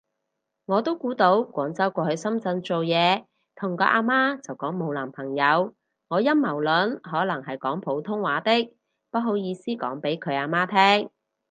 我都估到廣州過去深圳做嘢，同個啊媽就講冇男朋友。，我陰謀論可能係講普通話的，不好意思講畀佢啊媽聼